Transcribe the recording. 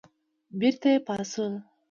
بېرته یې پاڅول.